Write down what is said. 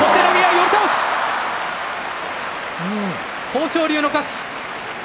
豊昇龍の勝ち。